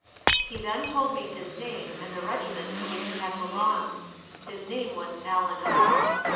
He then told me his name and the regiment to which he had belonged. His name was Allen Hall.